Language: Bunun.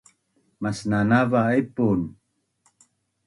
masnanava epun